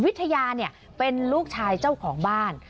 วิทยาเป็นลูกชายเจ้าของบ้าน